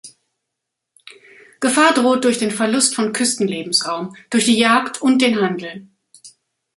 Gefahr droht durch den Verlust von Küsten-Lebensraum, durch die Jagd und den Handel.